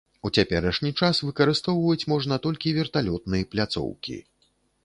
У цяперашні час выкарыстоўваць можна толькі верталётны пляцоўкі.